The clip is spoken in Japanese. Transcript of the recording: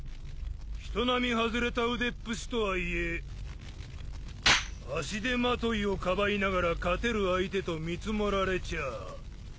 人並み外れた腕っ節とはいえ足手まといをかばいながら勝てる相手と見積もられちゃあ。